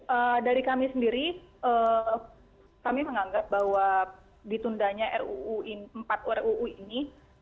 ya dari kami sendiri kami menganggap bahwa ditundanya empat ruu ini